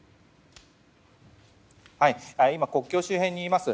今、国境周辺にいます。